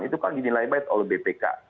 itu kan dinilai baik oleh bpk